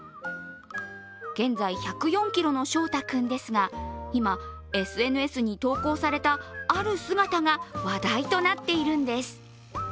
現在１０４ｋｇの笑大くんですが、今、ＳＮＳで投稿されたある姿が話題となっているんです。